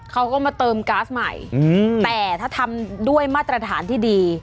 เขาก็มาเติมก๊าซใหม่แต่ถ้าทำด้วยมาตรฐานที่ดี